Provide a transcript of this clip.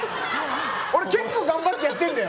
俺、結構頑張ってやってんだよ。